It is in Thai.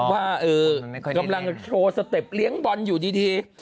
ว่ากำลังโชว์สเต็ปเลี้ยงบอลอยู่ดี